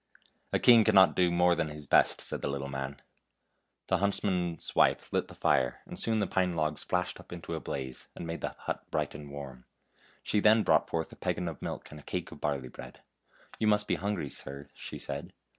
" A king cannot do more than his best," said the little man. The huntsman's wife lit the fire, and soon the pine logs flashed up into a blaze, and made the hut bright and warm. She then brought forth a peggin of milk and a cake of barley bread. " You must be hungry, sir," she said.